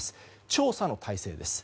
調査の体制です。